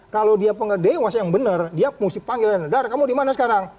kalau dia dewasa yang benar dia mesti panggil dan dar kamu dimana sekarang